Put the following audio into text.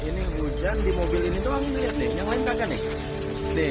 ini hujan di mobil ini doang ini lihat nih yang lain kagak nih